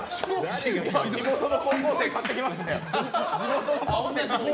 地元の高校生買っていきましたよ。